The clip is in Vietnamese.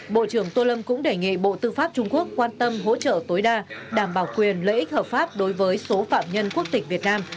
bộ trưởng tô lâm cũng đề nghị bộ tư pháp trung quốc quan tâm hỗ trợ tối đa đảm bảo quyền lợi ích hợp pháp đối với số phạm nhân quốc tịch việt nam